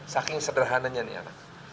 saking sederhananya ini anak